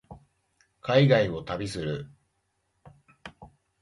海外を旅する